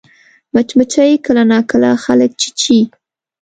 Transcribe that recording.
مچمچۍ کله ناکله خلک چیچي